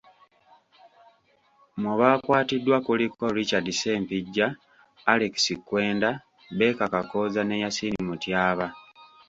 Mu baakwatiddwa kuliko; Richard Ssempijja, Alex Kwenda, Baker Kakooza ne Yasin Mutyaba.